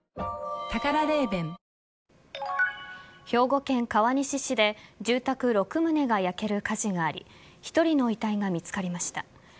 兵庫県川西市で住宅６棟が焼ける火事があり１人の遺体が見つかりました。